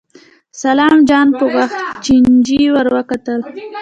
سلام جان په غاښچيچي ور وکتل.